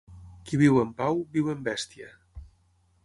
Qui viu en pau, viu en bèstia.